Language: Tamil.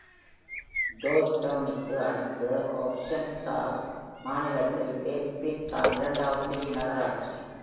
ஜார்ஜ்டவுநிற்கு அடுத்து ஆர்கன்சாஸ் மாநிலத்தில் பேட்ஸ்வில் தான் இரண்டாவது பெரிய நகராட்சி.